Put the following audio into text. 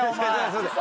すいません。